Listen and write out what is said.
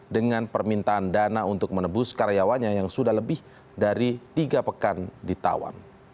dengan permintaan dana untuk menebus karyawannya yang sudah lebih dari tiga pekan ditawan